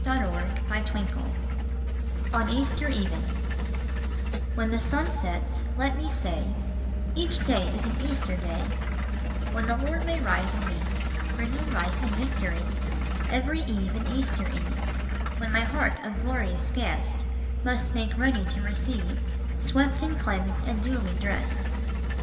126 ON EASTER EVEN ON EASTER EVEN WHEN the sun sets, let me say, " Each day is an Easter day, When the Lord may rise in me, Bringing life and victory ; Every eve an Easter eve, When my heart a glorious guest Must make ready to receive, Swept and cleansed and duly dressed.